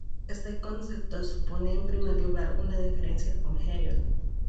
Este concepto supone en primer lugar una diferencia con Hegel.